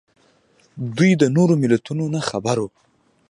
دوی د نورو ملتونو نه خبر وو